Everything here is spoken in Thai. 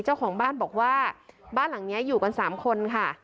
เจ้าของบ้านบอกว่าบ้านหลังนี้อยู่กัน๓คนค่ะ